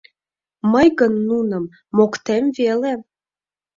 Мый гын нуным моктем веле.